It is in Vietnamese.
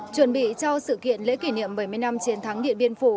chuẩn bị cho sự kiện lễ kỷ niệm bảy mươi năm chiến thắng điện biên phủ